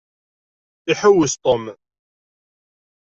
Iḥewwes Tom.